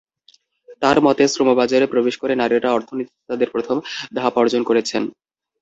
তাঁর মতে, শ্রমবাজারে প্রবেশ করে নারীরা অর্থনীতিতে তাঁদের প্রথম ধাপ অর্জন করেছেন।